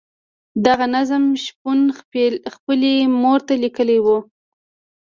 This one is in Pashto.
دغه نظم شپون خپلې مور ته لیکلی وو.